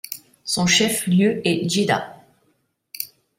Son chef-lieu est Djedaa.